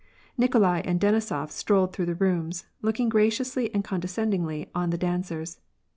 Nikolai and Denisof strolled through the rooms, looking graciously and condescendingly on the dancers.